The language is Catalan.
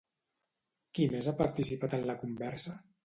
Qui més ha participat en la conversa?